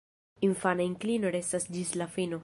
Infana inklino restas ĝis la fino.